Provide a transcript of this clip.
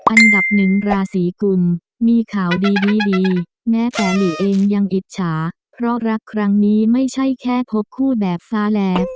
อันดับหนึ่งราศีกุลมีข่าวดีดีแม้แต่หลีเองยังอิจฉาเพราะรักครั้งนี้ไม่ใช่แค่พบคู่แบบซาแหลบ